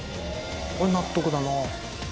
これ納得だな。